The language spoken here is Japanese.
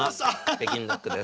北京ダックです。